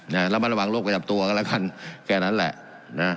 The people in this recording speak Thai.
แล้วระมัดระวังโลกกระจับตัวกันแล้วกันแค่นั้นแหละ